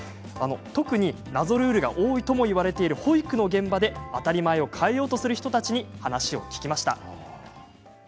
特に、謎ルールが多いといわれている保育の現場で当たり前を変えようとする人たちに話を聞きました。